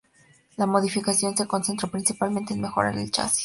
La modificación se concentró principalmente en mejorar el chasis.